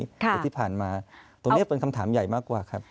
แต่ที่ผ่านมาตรงนี้เป็นคำถามใหญ่มากกว่าครับ